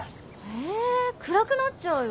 え暗くなっちゃうよ。